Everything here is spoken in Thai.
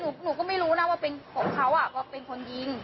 ใช่ค่ะ่าผมก็ไม่รู้นะเขาเป็นคนยิง